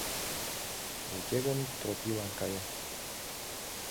Уке гын Тропийлан кае!